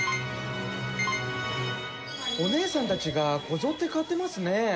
お姉さんたちがこぞって買ってますね。